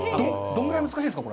どのぐらい難しいんですか？